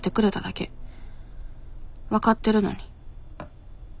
分かってるのに。